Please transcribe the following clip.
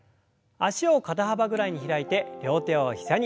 脚を肩幅ぐらいに開いて両手を膝に。